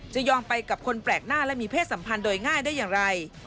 จะยอมไปกับคนแปลกหน้าและมีเพศสัมพันธ์โดยง่ายได้อย่างไร